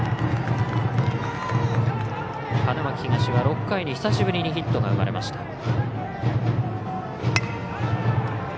花巻東は６回に久しぶりにヒットが生まれました。